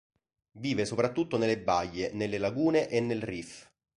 Vive soprattutto nelle baie, nelle lagune e nel reef.